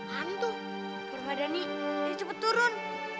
hantu berbadan nih cepet turun